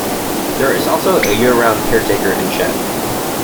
There is also a year-round caretaker and chef.